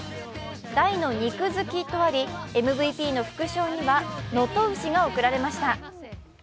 大の肉好きとありＭＶＰの副賞には能登牛が贈られました。